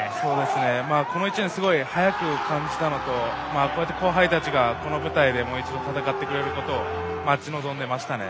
この１年すごい早く感じたのとこうやって後輩たちがこの舞台でもう一度、戦ってくれることを待ち望んでいましたね。